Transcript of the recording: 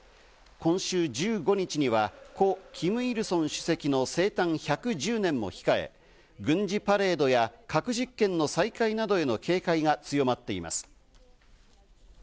今週１５日には故キム・イルソン主席の生誕１１０年も控え、軍事パレードや核実験の再開などへの警戒が強まっています。